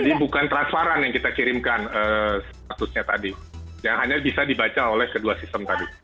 jadi bukan transferan yang kita kirimkan statusnya tadi yang hanya bisa dibaca oleh kedua sistem tadi